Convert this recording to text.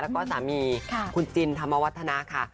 แล้วก็สามีคุณจินธรรมวัฒนาค่ะ